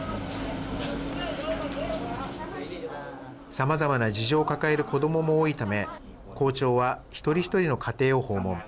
さまざまな事情を抱える子どもも多いため、校長は一人一人の家庭を訪問。